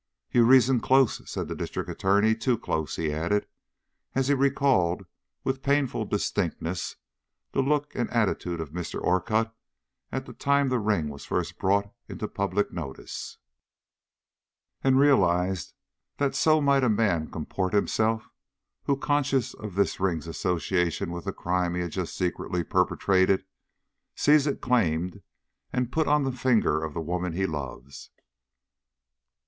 "You reason close," said the District Attorney; "too close," he added, as he recalled, with painful distinctness, the look and attitude of Mr. Orcutt at the time this ring was first brought into public notice, and realized that so might a man comport himself who, conscious of this ring's association with the crime he had just secretly perpetrated, sees it claimed and put on the finger of the woman he loves.